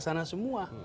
itu terlaksana semua